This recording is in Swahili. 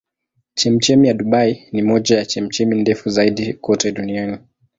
Chemchemi ya Dubai ni moja ya chemchemi ndefu zaidi kote duniani.